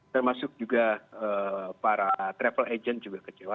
termasuk juga para travel agent juga kecewa